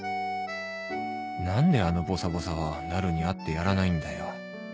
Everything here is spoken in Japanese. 何であのボサボサはなるに会ってやらないんだよ